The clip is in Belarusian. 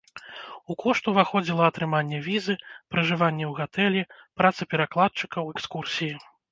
У кошт уваходзіла атрыманне візы, пражыванне ў гатэлі, праца перакладчыкаў, экскурсіі.